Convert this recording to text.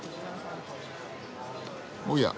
おや。